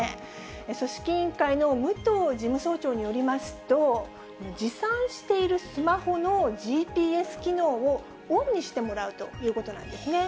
組織委員会の武藤事務総長によりますと、持参しているスマホのＧＰＳ機能をオンにしてもらうということなんですね。